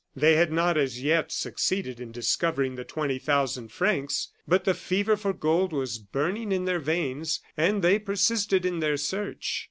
They had not, as yet, succeeded in discovering the twenty thousand francs, but the fever for gold was burning in their veins, and they persisted in their search.